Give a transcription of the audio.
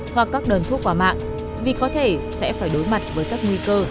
hoặc các đơn thuốc qua mạng vì có thể sẽ phải đối mặt với các nguy cơ